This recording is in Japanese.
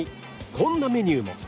こんなメニューも